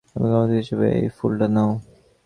ক্ষমাপ্রার্থনা হিসেবে এই ফুলটা নাও।